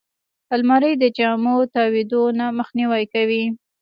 الماري د جامو تاویدو نه مخنیوی کوي